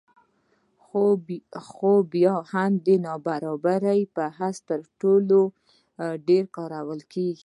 خو بیا هم د نابرابرۍ په بحث کې تر ټولو ډېر کارول کېږي